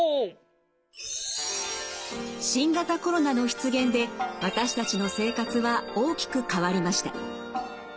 新型コロナの出現で私たちの生活は大きく変わりました。